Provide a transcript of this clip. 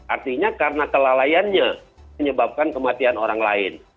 artinya karena kelalaiannya menyebabkan kematian orang lain